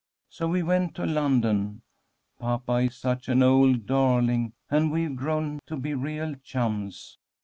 So we went to London. Papa is such an old darling, and we've grown to be real chums.